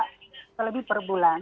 tidak terlebih per bulan